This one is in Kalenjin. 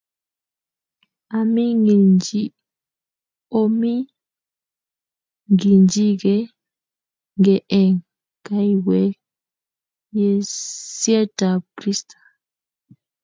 Oming'injige ge eng' kaiyweisietab Kristo.